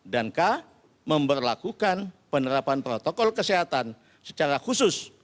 dan k memperlakukan penerapan protokol kesehatan secara khusus